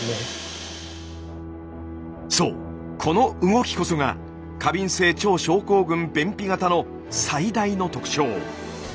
そうこの動きこそが過敏性腸症候群便秘型の最大の特徴。